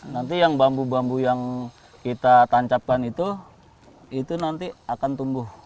nanti yang bambu bambu yang kita tancapkan itu itu nanti akan tumbuh